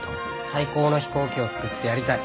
最高の飛行機を作ってやりたい。